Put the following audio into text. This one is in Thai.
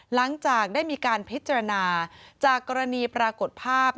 หลังจากได้มีการพิจารณาจากกรณีปรากฏภาพ